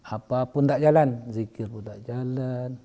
apa pun tidak jalan zikir pun tidak jalan